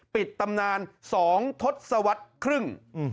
ปิดตำนาน๒ทศวครึ่ง